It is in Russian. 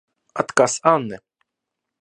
Отказ Анны.